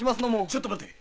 ちょっと待て。